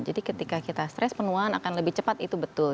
jadi ketika kita stres penuaan akan lebih cepat itu betul